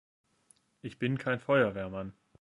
Ich bin kein Feuerwehrmann.